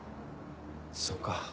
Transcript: そうか。